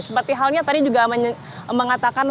seperti halnya tadi juga mengatakan